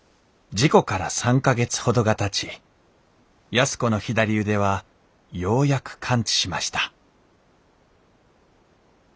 事故から３か月ほどがたち安子の左腕はようやく完治しました